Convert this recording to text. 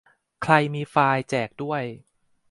ใครมีไฟล์ แจกด้วย